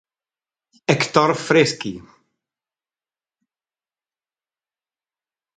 Héctor Freschi